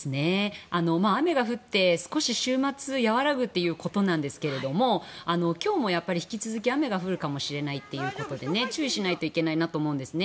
雨が降って、少し週末和らぐということですが今日も引き続き雨が降るかもしれないということで注意しないといけないなと思うんですね。